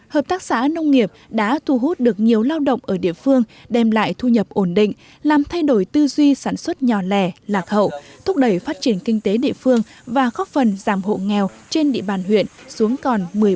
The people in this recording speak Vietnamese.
hợp tác xã nông nghiệp đã thu hút được nhiều lao động ở địa phương đem lại thu nhập ổn định làm thay đổi tư duy sản xuất nhỏ lẻ lạc hậu thúc đẩy phát triển kinh tế địa phương và góp phần giảm hộ nghèo trên địa bàn huyện xuống còn một mươi bốn